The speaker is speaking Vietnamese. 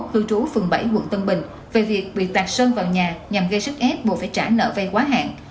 hư trú phường bảy quận tân bình về việc bị tạc sơn vào nhà nhằm gây sức ép buộc phải trả nợ vây quá hạn